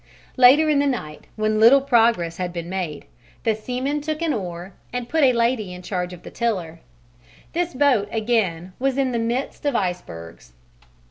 Later in the night, when little progress had been made, the seaman took an oar and put a lady in charge of the tiller. This boat again was in the midst of icebergs.